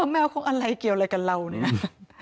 แมวของอะไรเกี่ยวอะไรกับเราเนี่ย